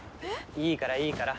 いいからいいから。